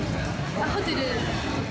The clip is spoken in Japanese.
ホテル。